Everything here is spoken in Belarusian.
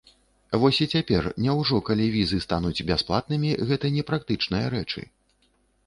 Вось і цяпер, няўжо, калі візы стануць бясплатнымі, гэта не практычныя рэчы?